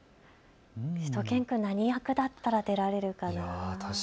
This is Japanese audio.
しゅと犬くんが何役だったら出られるかな。